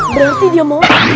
berarti dia mau